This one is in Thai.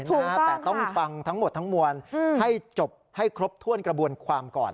แต่ต้องฟังทั้งหมดทั้งมวลให้จบให้ครบถ้วนกระบวนความก่อน